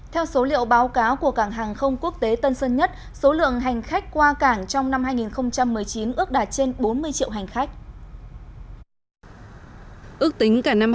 theo số liệu báo cáo của cảng hàng không quốc tế tân sơn nhất số lượng hành khách qua cảng trong năm hai nghìn một mươi chín ước đạt trên bốn mươi triệu hành khách